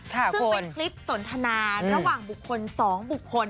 ซึ่งเป็นคลิปสนทนาระหว่างบุคคล๒บุคคล